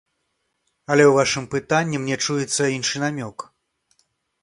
Але ў вашым пытанні мне чуецца іншы намёк.